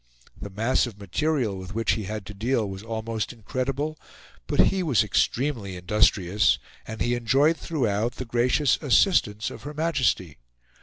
The mass of material with which he had to deal was almost incredible, but he was extremely industrious, and he enjoyed throughout the gracious assistance of Her Majesty.